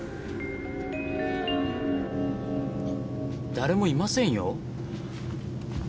だれもいませんよ。